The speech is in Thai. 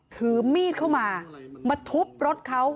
ถือมีดเข้ามามาทุบรถเขา